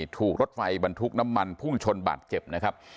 ถูกรถไฟบรรทุกน้ำมันพุ่งชนบาดเจ็บนะครับ